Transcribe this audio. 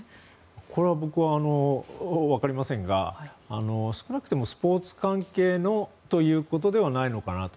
これは僕はわかりませんが少なくともスポーツ関係のということではないのかなと。